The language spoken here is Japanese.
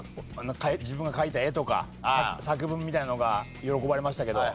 自分が描いた絵とか作文みたいなのが喜ばれましたけど。